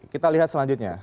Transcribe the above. kita lihat selanjutnya